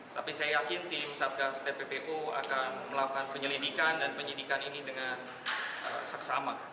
tapi saya yakin tim satgas tppu akan melakukan penyelidikan dan penyidikan ini dengan seksama